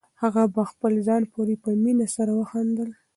هغه په خپل ځان پورې په مینه سره وخندل.